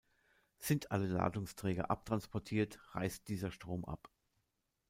Sind alle Ladungsträger abtransportiert, reißt dieser Strom ab.